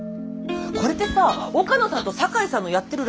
これってさ岡野さんと酒井さんのやってるラジオだよね？